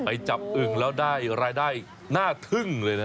ไปจับอึ่งแล้วได้รายได้น่าทึ่งเลยนะ